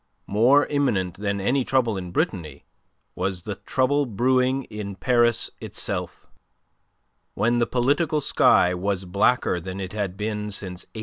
More imminent than any trouble in Brittany was the trouble brewing in Paris itself; when the political sky was blacker than it had been since '89.